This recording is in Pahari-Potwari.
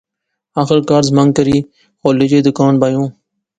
آخر قرض مانگ کری ہولی جئی دکان بائیوں